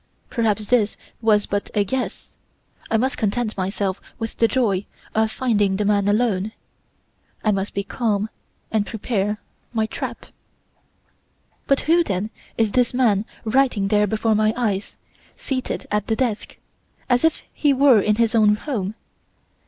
Perhaps this was but a guess. I must content myself with the joy of finding the man alone. I must be calm to prepare my trap. "But who, then, is this man writing there before my eyes, seated at the desk, as if he were in his own home?